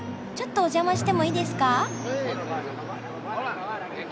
ちょっとお邪魔してもいいですか？